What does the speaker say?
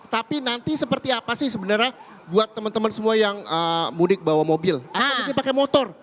tapi nanti seperti apa sih sebenarnya buat teman teman semua yang mudik bawa mobil ini pakai motor